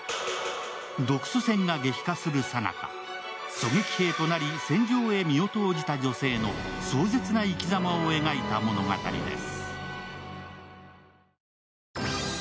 独ソ戦が激化するさなか、狙撃兵となり戦場へ身を投じた女性の壮絶な生きざまを描いた物語です。